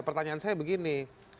pertanyaan saya begini